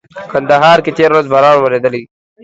کندهار کي تيره ورځ باران ووريدلي.